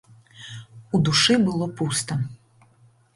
У душы было пуста.